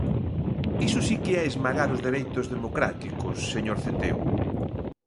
Iso si que é esmagar os dereitos democráticos, señor Centeo.